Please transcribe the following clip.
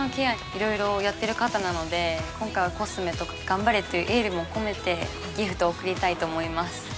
いろいろやってる方なので今回はコスメとか「頑張れ！」っていうエールも込めてギフトを贈りたいと思います。